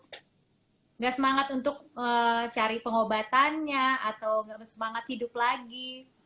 enggak semangat untuk cari pengobatannya atau semangat hidup lagi